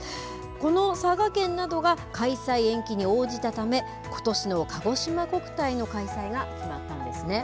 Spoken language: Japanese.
この佐賀県などが開催延期に応じたため、ことしのかごしま国体の開催が決まったんですね。